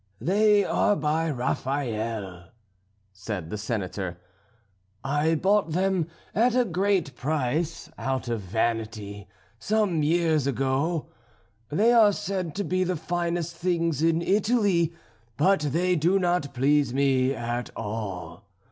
"They are by Raphael," said the Senator. "I bought them at a great price, out of vanity, some years ago. They are said to be the finest things in Italy, but they do not please me at all.